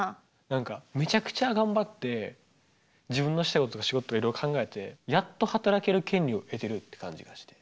何かめちゃくちゃ頑張って自分のしたいこととか仕事とかいろいろ考えてやっと働ける権利を得てるって感じがして。